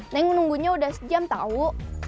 neng nunggunya udah sejam tahu